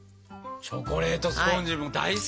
チョコレートスポンジも大好き。